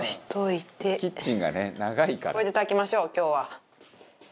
これで炊きましょう今日は。